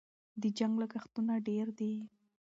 د جنګ لګښتونه ډېر دي.